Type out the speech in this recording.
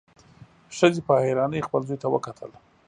ښځې په حيرانۍ خپل زوی ته وکتل.